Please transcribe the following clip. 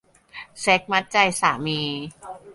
เซ็กส์มัดใจสามี